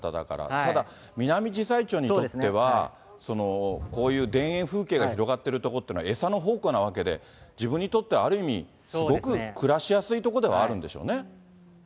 ただミナミジサイチョウにとっては、こういう田園風景が広がってる所ってのは、餌の宝庫なわけで、自分にとっては、ある意味、すごく暮らしやすいことはあるんでしょうね。